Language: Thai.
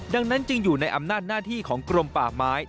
ดังนั้นจึงอยู่ในอำนาจหน้าที่ของกรมป่าไม้